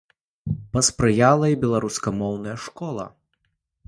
Паспрыяла і беларускамоўная школа.